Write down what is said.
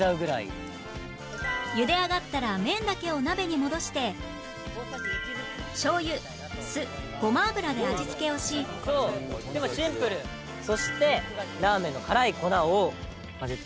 茹で上がったら麺だけを鍋に戻してしょうゆ酢ごま油で味付けをしそしてラーメンの辛い粉を混ぜていきます。